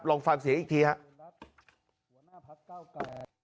ลองฟังเสียอีกทีครับ